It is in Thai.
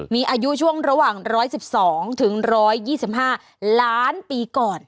มีอายุช่วงระหว่าง๑๑๒ถึง๑๒๕ล้านปีก่อน